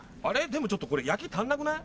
でもちょっとこれ焼き足んなくない？